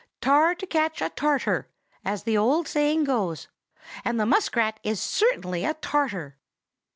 "'Tar to catch a Tartar,' as the old saying goes; and the muskrat is certainly a Tartar."